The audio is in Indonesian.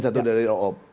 satu dari oop